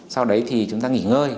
sau đấy thì chúng ta nghỉ ngơi